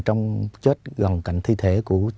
trong chết gần cảnh thi thể